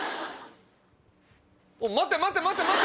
待て待て待て待て！